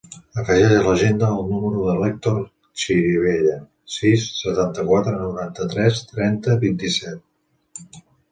Afegeix a l'agenda el número de l'Hèctor Chirivella: sis, setanta-quatre, noranta-tres, trenta, vint-i-set.